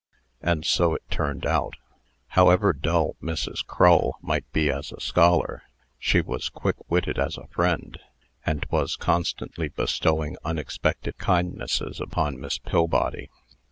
And so it turned out. However dull Mrs. Crull might be as a scholar, she was quick witted as a friend, and was constantly bestowing unexpected kindnesses upon Miss Pillbody.